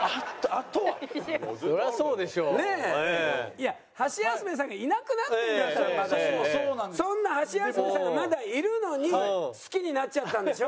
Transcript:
いやハシヤスメさんがいなくなってるんだったらまだしもそんなハシヤスメさんがまだいるのに好きになっちゃったんでしょ？